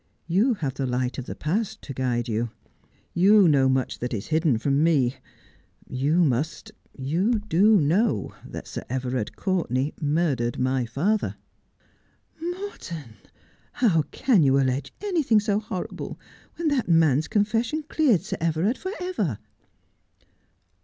You have the light of the past to guide you. You know much that is hidden from 'I do not understand you, Morton' 235 Hie. You must — you do — know that Sir Everard Courtenay murdered my father.' ' Morton ! how can you allege anything so horrible when that man's confession cleared Sir Everard for ever?